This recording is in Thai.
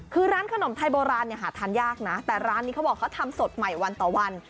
คือร้านขนมไทยโบราณเนี่ยหาทานยากนะแต่ร้านนี้เขาบอกเขาทำสดใหม่วันต่อวัน